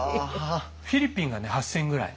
フィリピンが８，０００ぐらい。